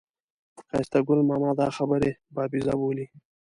ښایسته ګل ماما دا خبرې بابیزه بولي.